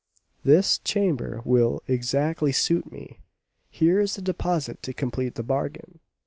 Merrill] "This chamber will exactly suit me. Here is a deposit to complete the bargain.